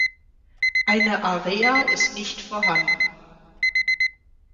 Eine Area ist nicht vorhanden.